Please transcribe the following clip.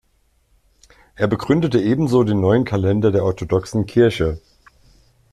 Er begründete ebenso den neuen Kalender der Orthodoxen Kirche.